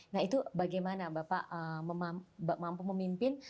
nah itu bagaimana bapak mampu memimpin